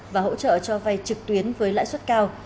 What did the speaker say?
và hỗ trợ cho vay trực tuyến với lãi suất cao